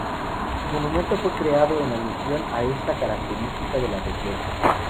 El monumento fue creado en alusión a esta característica de la región.